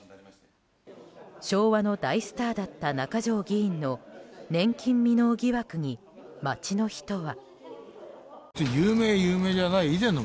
昭和の大スターだった中条議員の年金未納疑惑に街の人は。